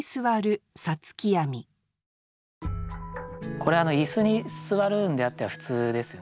これ椅子に座るんであっては普通ですよね。